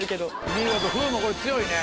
見事風磨これ強いね。